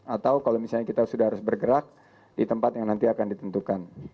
atau kalau misalnya kita sudah harus bergerak di tempat yang nanti akan ditentukan